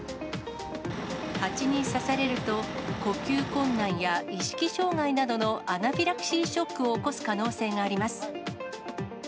蜂に刺されると、呼吸困難や意識障害などのアナフィラキシーショックを起こす可能性があります。